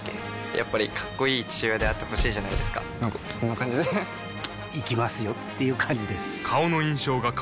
やっぱりかっこいい父親であってほしいじゃないですかなんかこんな感じで行きますよっていう感じです